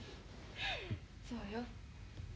そうよ。